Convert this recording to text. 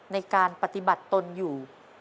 ในการปฏิบัติตนอยู่